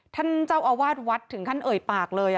ท่านเจ้าอาวาสวัดถึงขั้นเอ่ยปากเลย